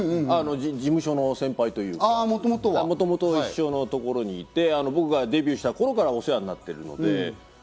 事務所の先輩というか、もともと一緒のところにいて僕がデビューした頃からお世話になっているので。